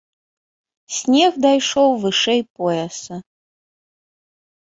Снег дайшоў вышэй пояса.